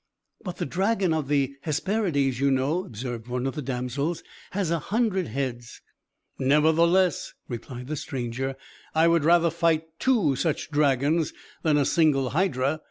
"But the dragon of the Hesperides, you know," observed one of the damsels, "has a hundred heads!" "Nevertheless," replied the stranger, "I would rather fight two such dragons than a single hydra.